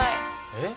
えっ？